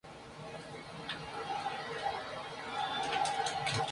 En tanto el Inadi se presentó como querellante en la causa.